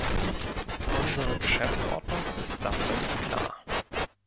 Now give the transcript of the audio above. Unsere Geschäftsordnung ist da völlig klar.